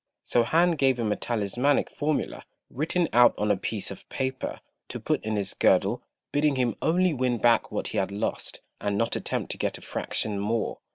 So Han gave him a talismanic formula, written out on a piece of paper, to put in his girdle, bidding him only win back what he had lost, and not attempt to get a fraction more.